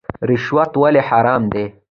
رشوت ولې حرام دی؟